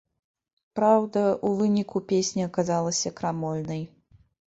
Праўда, у выніку песня аказалася крамольнай.